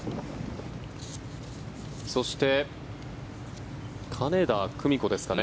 そして、金田久美子ですかね。